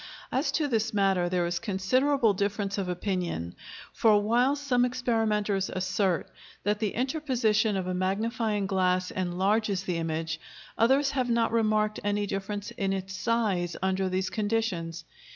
As to this matter there is considerable difference of opinion, for, while some experimenters assert that the interposition of a magnifying glass enlarges the image, others have not remarked any difference in its size under these conditions.